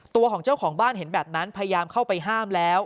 ตัวของเจ้าของบ้านเห็นแบบนั้นพยายามเข้าไปห้ามแล้ว